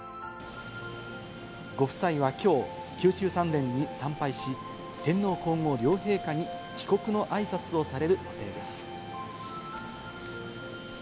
ご夫妻はきょう、宮中三殿に参拝し、天皇皇后両陛下に帰国のあいさつをされる予定です。